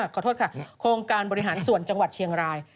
ขอโทษค่ะโครงการบริหารส่วนจังหวัดเชียงราย